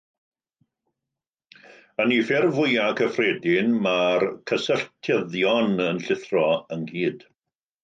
Yn eu ffurf fwyaf cyffredin, mae'r cysylltyddion yn llithro ynghyd.